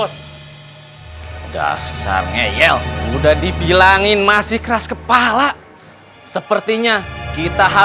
saya tunggu ya pak haji sopan ya